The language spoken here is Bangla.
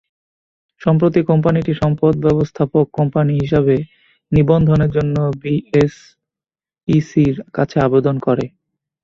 সম্প্রতি কোম্পানিটি সম্পদ ব্যবস্থাপক কোম্পানি হিসেবে নিবন্ধনের জন্য বিএসইসির কাছে আবেদন করে।